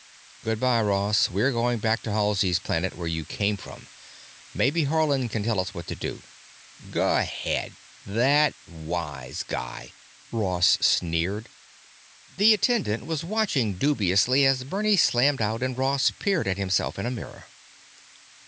"Good by, Ross. We're going back to Halsey's Planet, where you came from. Maybe Haarland can tell us what to do." "Go 'head. That wise guy!" Ross sneered. The attendant was watching dubiously as Bernie slammed out and Ross peered at himself in a mirror.